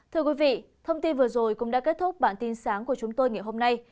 thưa quý vị thông tin vừa rồi cũng đã kết thúc bản tin sáng của chúng tôi ngày hôm nay